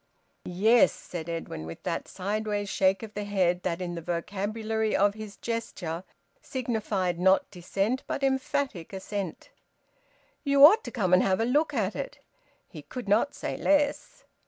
"Yes," said Edwin, with that sideways shake of the head that in the vocabulary of his gesture signified, not dissent, but emphatic assent. "You ought to come and have a look at it." He could not say less.